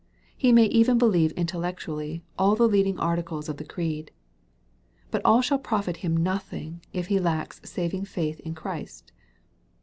He may even believe intellectually all the leading articles of the creed. But all shall profit him nothing if he lacks saving faith in Christ.